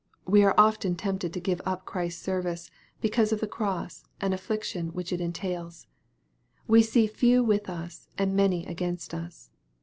We are often tempted to give up Christ's service, because of the cross and affliction which it entails. We see few with us, and many against us.